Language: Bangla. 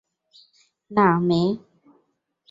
না, মে।